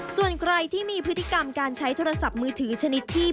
ส่วนใครที่มีพฤติกรรมการใช้โทรศัพท์มือถือชนิดที่